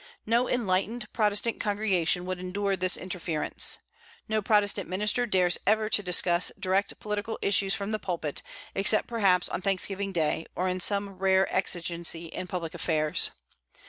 No enlightened Protestant congregation would endure this interference. No Protestant minister dares ever to discuss direct political issues from the pulpit, except perhaps on Thanksgiving Day, or in some rare exigency in public affairs.